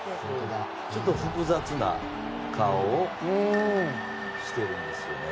ちょっと複雑な顔をしているんですよね。